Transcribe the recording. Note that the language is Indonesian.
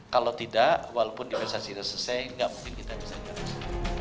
kalau tidak walaupun investasi sudah selesai nggak mungkin kita bisa jalan